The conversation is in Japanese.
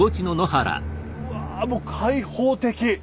うわもう開放的！